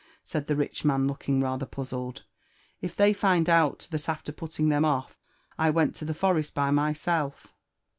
said the rich nan, looking rather puzzled, " if they find out that after putting them off, 1 ment to the forest. by myself